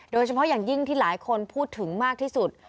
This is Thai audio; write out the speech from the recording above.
โดยเฉพาะอย่างยิ่งที่หลายคนพูดถึงมากที่สุด